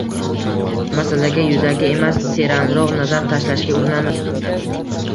Masalaga yuzaki emas, teranroq nazar tashlashga urinamiz.